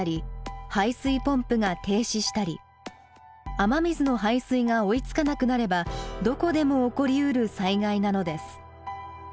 雨水の排水が追いつかなくなればどこでも起こりうる災害なのです。